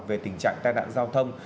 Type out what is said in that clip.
về tình trạng tai nạn giao thông